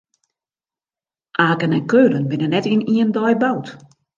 Aken en Keulen binne net yn ien dei boud.